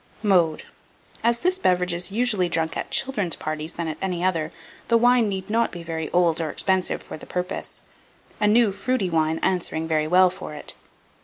Mode. As this beverage is more usually drunk at children's parties than at any other, the wine need not be very old or expensive for the purpose, a new fruity wine answering very well for it.